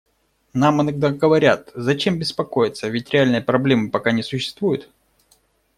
Нам иногда говорят: зачем беспокоиться, ведь реальной проблемы пока не существует.